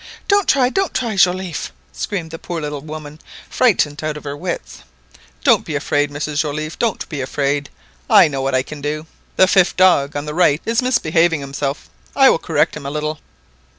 "Don't try, don't try, Joliffe !" screamed the poor little woman, frightened out of her wits. "Don't be afraid, Mrs Joliffe, don't be afraid; I know what I can do. The fifth dog on the right is misbehaving himself;. I will correct him a little!"